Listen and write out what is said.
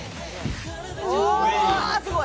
「うわーすごい！」